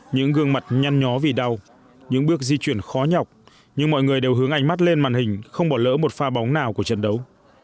những gương mặt nhăn nhó vì đau những bước di chuyển khó nhọc nhưng mọi người đều hướng ảnh mắt lên màn hình không bỏ lỡ một pha bóng nào của trận đấu